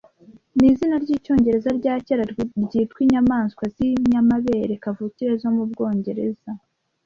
ni izina ry'icyongereza rya kera ryitwa inyamaswa z’inyamabere kavukire zo mu Bwongereza